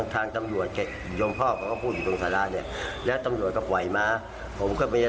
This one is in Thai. มันก็มาไม่ถูกต้องไปประวัติวิญญาณอย่างไรเนาะ